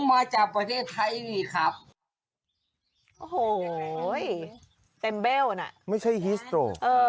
มาจากประเทศไทยอีกครับโอ้โหเต็มเบลน่ะไม่ใช่ฮิสโตรเออ